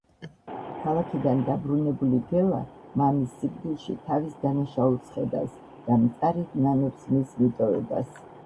ქალაქიდან დაბრუნებული გელა მამის სიკვდილში თავის დანაშაულს ხედავს და მწარედ ნანობს მის მიტოვებას.